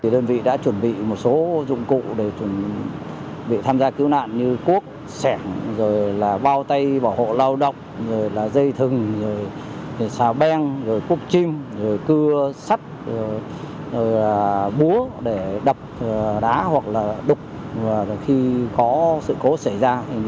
đơn vị đã chuẩn bị một số dụng cụ để chuẩn bị tham gia cứu nạn như cuốc xẻng bao tay bảo hộ lao động dây thừng xào beng cuốc chim cưa sắt búa để đập đá hoặc đục khi có sự cố xảy ra